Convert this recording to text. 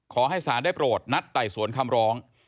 ขอให้ศาลได้โปรดนัดไต่สวนคำร้อง